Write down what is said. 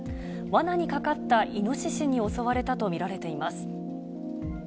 わなにかかったイノシシに襲われたと見られています。